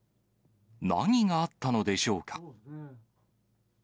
何があったのでしょうか。